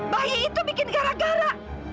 bayi itu bikin gara gara